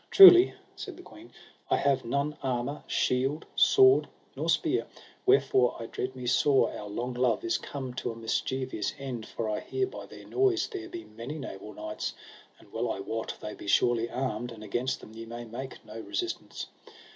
Truly, said the queen, I have none armour, shield, sword, nor spear; wherefore I dread me sore our long love is come to a mischievous end, for I hear by their noise there be many noble knights, and well I wot they be surely armed, and against them ye may make no resistance.